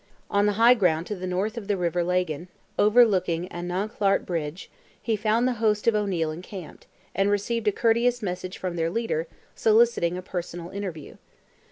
On the high ground to the north of the river Lagan, overlooking Anaghclart Bridge, he found the host of O'Neil encamped, and received a courteous message from their leader, soliciting a personal interview.